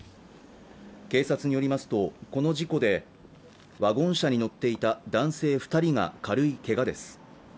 警察によりますとこの事故でワゴン車に乗っていた男性二人が軽いけがです